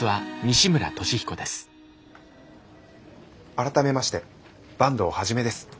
改めまして坂東一です。